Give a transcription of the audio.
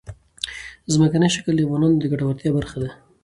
ځمکنی شکل د افغانانو د ګټورتیا برخه ده.